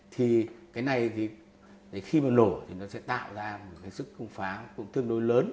thì cái này khi mà nổ thì nó sẽ tạo ra một sức pháo cũng tương đối lớn